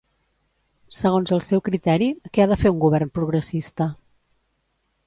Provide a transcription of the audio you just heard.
Segons el seu criteri, què ha de fer un govern progressista?